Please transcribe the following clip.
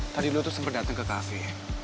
tadi lo tuh sempet dateng ke cafe